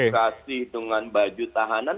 yang dikasih dengan baju tahanan